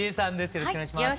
よろしくお願いします。